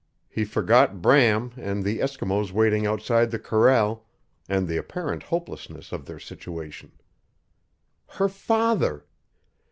He forgot Bram, and the Eskimos waiting outside the corral, and the apparent hopelessness of their situation. HER FATHER!